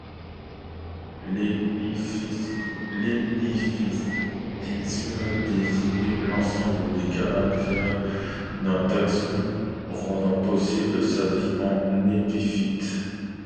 L’épiphytisme désigne l'ensemble des caractères d'un taxon rendant possible sa vie en épiphyte.